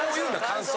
感想！